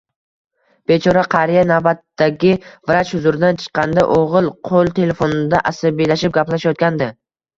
Bechora qariya navbatdagi vrach huzuridan chiqqanida o`g`il qo`l telefonida asabiylashib gaplashayotgandi